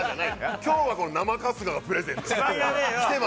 きょうは生春日がプレゼント。